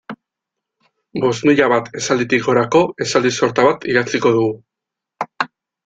Bost mila bat esalditik gorako esaldi sorta bat idatziko dugu.